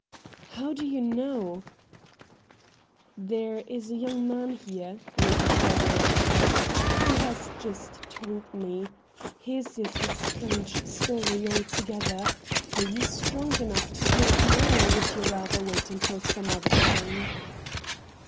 ' How do you know ?'' There is a young man here,' Lady Scar dale answered, ' who has just told me ; his is a strange story altogether. Are you strong enough to hear it now, or would you rather wait until some other time